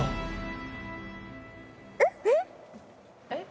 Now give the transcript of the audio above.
えっ？